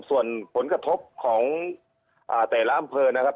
ส่วนผลกระทบของแต่ละอำเภอนะครับ